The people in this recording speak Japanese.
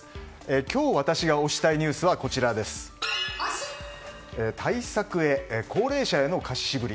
今日、私が推したいニュースは対策へ、高齢者への貸し渋り。